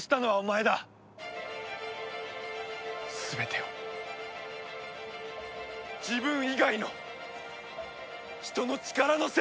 全てを自分以外の人の力のせいにするな！